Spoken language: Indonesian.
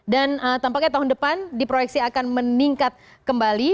dan tampaknya tahun depan diproyeksi akan meningkat kembali